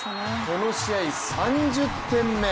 この試合３０点目。